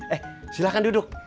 eh silahkan duduk